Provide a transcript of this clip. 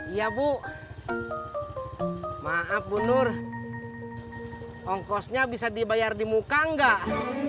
iya bu maaf bunur ongkosnya bisa dibayar di muka nggak